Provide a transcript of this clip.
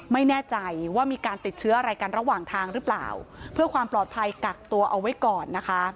ไม่แน่ใจว่ามีการติดเชื้ออะไรกันระหว่างทางหรือเปล่าเพื่อความปลอดภัยกักตัวเอาไว้ก่อนนะคะ